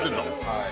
はい。